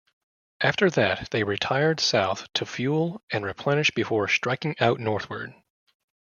After that, they retired south to fuel and replenish before striking out northward.